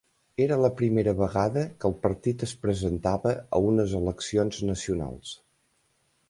Era la primera vegada que el partit es presentava a unes eleccions nacionals.